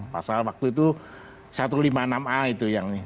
pasal waktu itu satu ratus lima puluh enam a itu yang ini